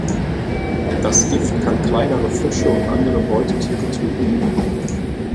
Das Gift kann kleinere Fische und andere Beutetiere töten.